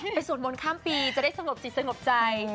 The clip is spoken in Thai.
ไปส่วนบนข้ามปีจะได้สมบสิทธิ์สมบใจ